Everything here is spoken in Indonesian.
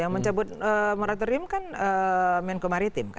yang mencabut moratorium kan menko maritim kan